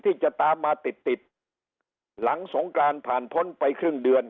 ที่จะตามมาติดติดหลังสงกรานผ่านพ้นไปครึ่งเดือน